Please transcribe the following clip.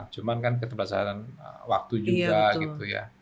cuman kan keterbatasan waktu juga gitu ya